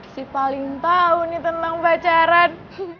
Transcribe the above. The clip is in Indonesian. si paling tahu nih tentang pacaran